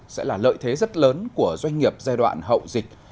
sẽ là lợi thế rất lớn của doanh nghiệp giai đoạn hậu dịch